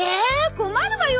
困るわよ